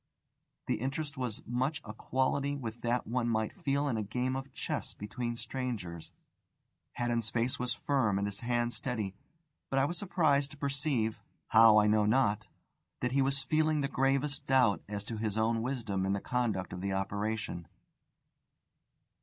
The interest was much of a quality with that one might feel in a game of chess between strangers. Haddon's face was firm and his hand steady; but I was surprised to perceive (how I know not) that he was feeling the gravest doubt as to his own wisdom in the conduct of the operation.